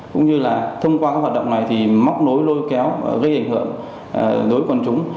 cũng như là thông qua các hoạt động này thì móc nối lôi kéo gây ảnh hưởng đối với quần chúng